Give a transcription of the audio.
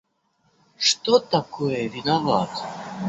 Что такое виноват?